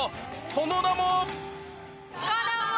その名も。